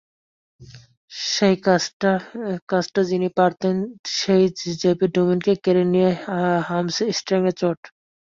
সেই কাজটা যিনি পারতেন, সেই জেপি ডুমিনিকে কেড়ে নিয়েছে হ্যামস্ট্রিংয়ের চোট।